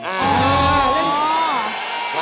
อ่าเล่น